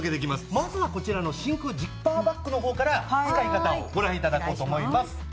まずはこちらの真空ジッパーバッグの方から使い方をご覧頂こうと思います。